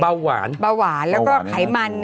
เบาหวานแล้วก็ไขมัน